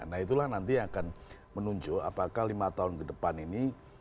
nah itulah nanti akan menunjuk apakah lima tahun ke depan ini